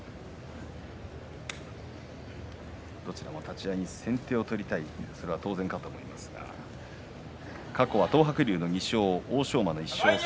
どちらも立ち合いに先手を取りたいそれは当然だと思いますが過去は東白龍の２勝欧勝馬の１勝です。